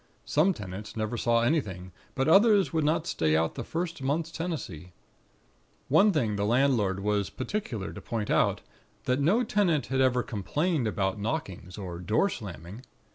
Some tenants never saw anything; but others would not stay out the first month's tenancy. "One thing the landlord was particular to point out, that no tenant had ever complained about knockings, or door slamming.